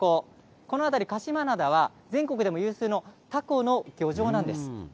この辺り、鹿島灘は全国でも有数のたこの漁場なんです。